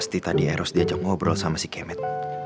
pasti tadi eros diajak ngobrol sama si kemet